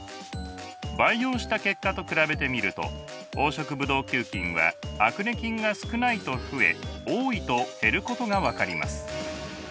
培養した結果と比べてみると黄色ブドウ球菌はアクネ菌が少ないと増え多いと減ることが分かります。